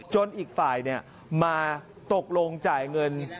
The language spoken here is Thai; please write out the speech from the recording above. อีกฝ่ายมาตกลงจ่ายเงิน